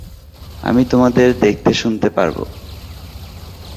আমি তোমাদের দেখতে শুনতে পারব।